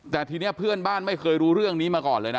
แต่ทีนี้เพื่อนบ้านไม่เคยรู้เรื่องนี้มาก่อนเลยนะ